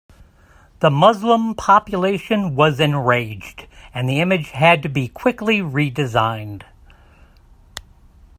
The Muslim population was enraged and the image had to be quickly redesigned.